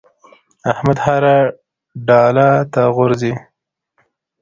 احمد هر ډاله ته غورځي.